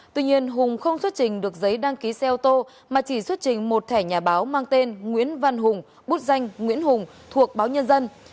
tuy nhiên hùng không xuất trình được giấy đăng ký xe ô tô mà chỉ xuất trình một thẻ nhà báo mang tên nguyễn văn hùng bút danh nguyễn hùng thuộc báo nhân dân